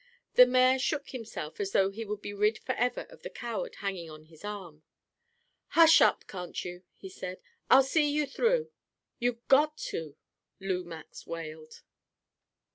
The mayor shook himself as though he would be rid forever of the coward hanging on his arm. "Hush up, can't you?" he said. "I'll see you through." "You got to," Lou Max wailed.